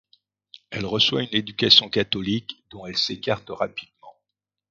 Elle reçoit une éducation catholique dont elle s'écarte rapidement.